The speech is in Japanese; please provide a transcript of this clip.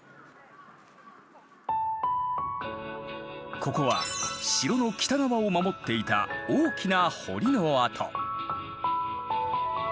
ここは城の北側を守っていた大きな堀の跡。